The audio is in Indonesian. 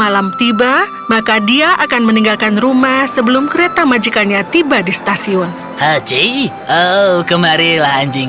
hachi bagaimana kau disini sepanjang